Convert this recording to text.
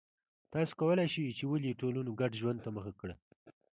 تاسو کولای شئ چې ولې ټولنو ګډ ژوند ته مخه کړه